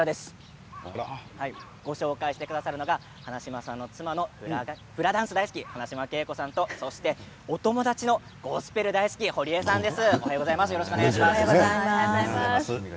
ご紹介してくれるのは花嶋さんの妻でフラダンス大好きな花嶋恵子さんとお友達のゴスペル大好きな堀江清子さんです。